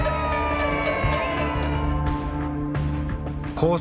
コース